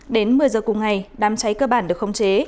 đến một mươi h cùng ngày đám cháy cơ bản được không chế